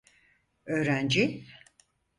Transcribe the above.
Öğrenci…